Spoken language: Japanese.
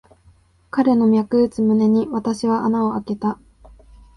彼の脈打つ胸に、私は穴をあけた。